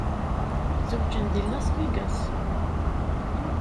Zewǧen deg Las Vegas.